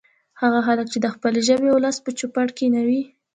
هغه خلک چې د خپلې ژبې او ولس په چوپړ کې نه وي